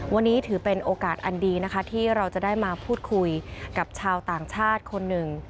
วันนี้ถือเป็นโอกาสอันดีนะคะที่เราจะได้มาพูดคุยกับชาวต่างชาติคนหนึ่ง